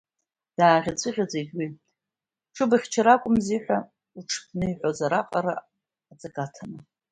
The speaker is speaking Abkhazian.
Дааӷьаҵәыӷьаҵәит уи бҽыбыхьчар акәымзи ҳәа лаҽԥниҳәозар аҟара, аҵакы аҭаны.